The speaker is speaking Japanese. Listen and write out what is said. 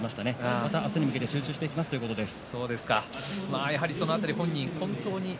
また明日に向けて集中していきますということです。